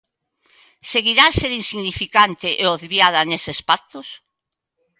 Seguirá a ser insignificante e obviada neses pactos?